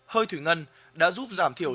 hơi thủy ngân đã giúp giảm thiểu